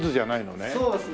そうですね。